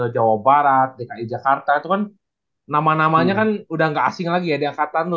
jawa barat dki jakarta itu kan nama namanya kan udah gak asing lagi ya di angkatan